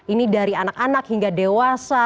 ini dari anak anak hingga dewasa